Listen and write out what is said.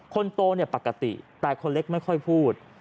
คนโตปกติแต่คนเล็กไม่ค่อยพูด